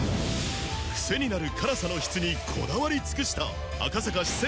クセになる辛さの質にこだわり尽くした赤坂四川